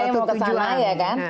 mencapai yang mau ke sana ya kan